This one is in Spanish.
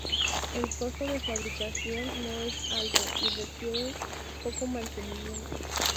El costo de fabricación no es alto y requieren poco mantenimiento.